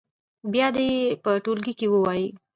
بیا دې یې په ټولګي کې ووایي.